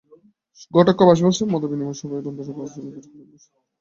মতবিনিময় সভায় বন্দরের সার্বিক কার্যক্রম এবং ভবিষ্যৎ পরিকল্পনার কথা তুলে ধরেন তিনি।